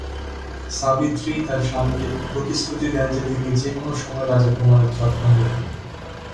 সাবিত্রী তার স্বামীকে প্রতিশ্রুতি দেন যে, তিনি যে কোনও সময়ে রাজা কুমারের যত্ন নেবেন।